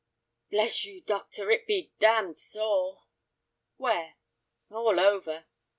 "Bless you, doctor, it be damned sore!" "Where?" "All over.